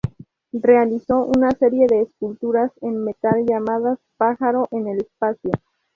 Realizó una serie de esculturas en metal llamadas "Pájaro en el espacio".